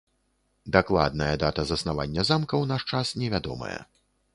Дакладная дата заснавання замка ў наш час невядомая.